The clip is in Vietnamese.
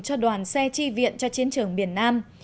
cho đoàn xe chi viện cho chiến trường miền nam